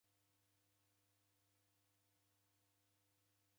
Korew'oneki mwaka ghusirie?